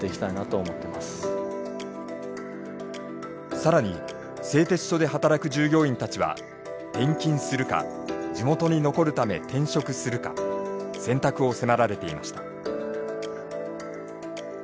更に製鉄所で働く従業員たちは転勤するか地元に残るため転職するか選択を迫られていました。